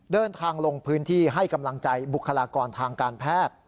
เดินทางลงพื้นที่ให้กำลังใจบุคลากรทางการแพทย์